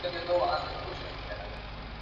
زه د انګورو په خوړلو اخته یم.